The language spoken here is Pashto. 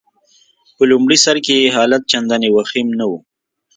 په لمړي سر کي يې حالت چنداني وخیم نه وو.